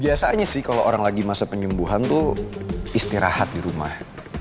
biasanya sih kalo orang lagi masa penyembuhan tuh istirahat dirumah